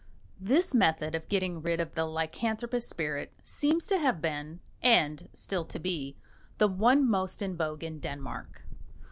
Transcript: This method of getting rid of the lycanthropous spirit seems to have been (and still to be) the one most in vogue in Denmark.